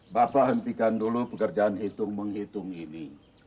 bapak hentikan dulu pekerjaan hitung menghitung ini